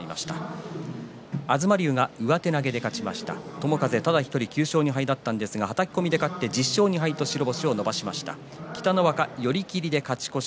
友風、ただ１人９勝２敗だったんですが１０勝２敗と白星を伸ばしました。